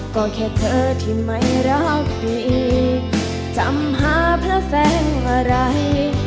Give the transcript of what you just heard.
ก็แค่เธอที่ไม่รักดีจำหาพระแสงอะไร